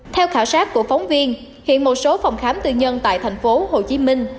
theo khảo sát của phóng viên hiện một số phòng khám tư nhân tại thành phố hồ chí minh